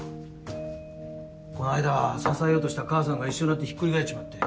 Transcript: こないだは支えようとした母さんが一緒になってひっくり返っちまって。